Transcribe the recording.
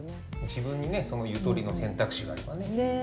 自分にねそのゆとりの選択肢があればね対応できる。